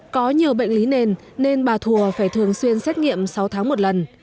có nhiều bệnh lý nền nên bà thùa phải thường xuyên xét nghiệm sáu tháng một lần